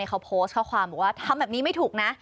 เขาโพสต์ข้อความบอกว่าทำแบบนี้ไม่ถูกนะ